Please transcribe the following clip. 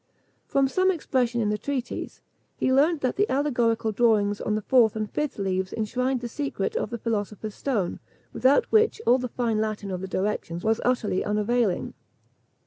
From some expression in the treatise, he learned that the allegorical drawings on the fourth and fifth leaves enshrined the secret of the philosopher's stone, without which all the fine Latin of the directions was utterly unavailing.